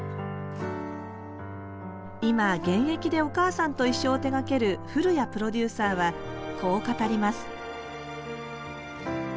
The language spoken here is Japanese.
今現役で「おかあさんといっしょ」を手がける古屋プロデューサーはこう語ります